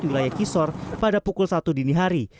wilayah kisor pada pukul satu dini hari